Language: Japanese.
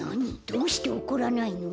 どうして怒らないの？